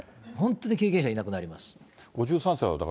本当に経験者いなくなります。